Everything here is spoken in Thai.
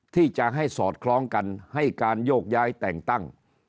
ที่จะให้สอดคล้องกันให้การโยกย้ายแต่งตั้ง